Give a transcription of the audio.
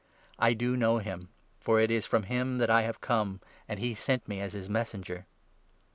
I do know him, for it is 29 from him that I have come, and he sent me as his Messenger."